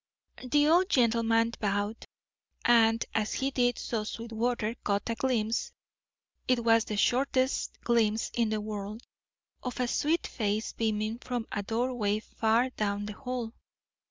The old gentleman bowed, and as he did so Sweetwater caught a glimpse (it was the shortest glimpse in the world) of a sweet face beaming from a doorway far down the hall.